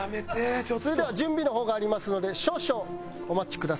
それでは準備の方がありますので少々お待ちください。